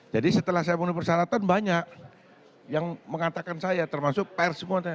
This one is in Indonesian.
jadi setelah saya memenuhi persyaratan banyak yang mengatakan saya termasuk pers semua